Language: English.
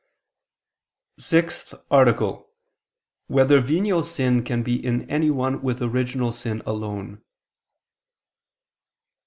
89, Art. 6] Whether Venial Sin Can Be in Anyone with Original Sin Alone?